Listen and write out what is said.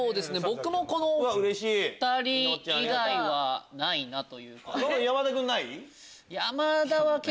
僕もこの２人以外はないなという。